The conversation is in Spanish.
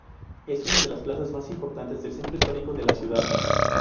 Es una de las plazas más importantes del centro histórico de la ciudad.